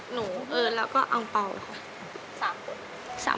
หนูแล้วก็อังเปราค่ะ